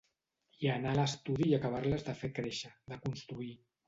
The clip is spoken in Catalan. I anar a l’estudi i acabar-les de fer créixer, de construir.